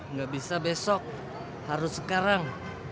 nggak bisa besok harus sekarang